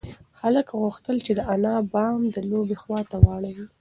هلک غوښتل چې د انا پام د لوبې خواته واړوي.